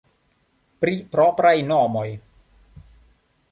Pri propraj nomoj.